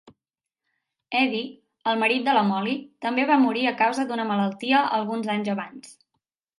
Eddie, el marit de la Molly, també va morir a causa d'una malaltia alguns anys abans.